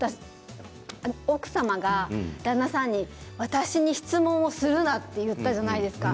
奥様が旦那さんに私に質問をするなって言ったじゃないですか。